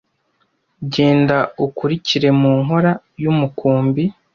Genda ukurikire mu nkōra y’umukumbi,